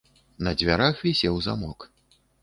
На дзвярах вісеў замок.